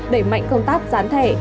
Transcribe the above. đẩy mạnh công tác gián thẻ